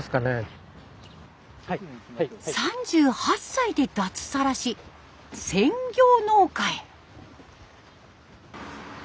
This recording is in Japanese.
３８歳で脱サラし専業農家へ。